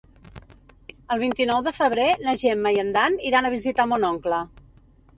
El vint-i-nou de febrer na Gemma i en Dan iran a visitar mon oncle.